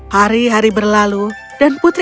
hari hari berlalu dan putri